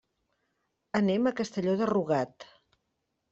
Anem a Castelló de Rugat.